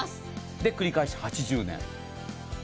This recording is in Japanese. で、繰り返し８０年。